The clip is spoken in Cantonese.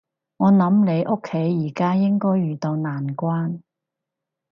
我諗你屋企而家應該遇到難關